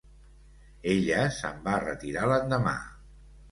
Ella se'n va retirar l'endemà.